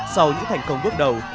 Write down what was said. sau những thành công bước đầu